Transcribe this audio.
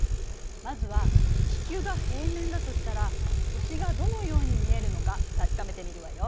まずは地球が平面だとしたら星がどのように見えるのか確かめてみるわよ。